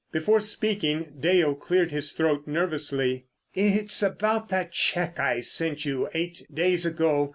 Before speaking Dale cleared his throat nervously. "It's about that cheque I sent you eight days ago.